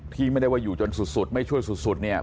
ที่ไม่ได้ว่าอยู่จนสุดไม่ช่วยสุดเนี่ย